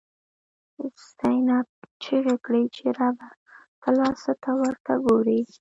زینب ” چیغی کړی چی ربه، ته لا څه ته ورته ګوری”